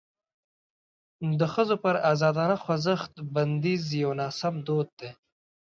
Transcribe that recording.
د ښځو پر ازادانه خوځښت بندیز یو ناسم دود دی.